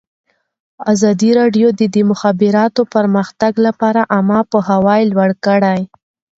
ازادي راډیو د د مخابراتو پرمختګ لپاره عامه پوهاوي لوړ کړی.